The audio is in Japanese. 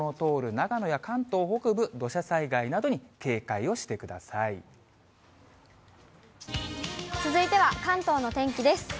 長野や関東北部、土砂災害などに警戒をしてくださ続いては関東の天気です。